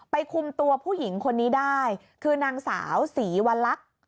คุมตัวผู้หญิงคนนี้ได้คือนางสาวศรีวลักษณ์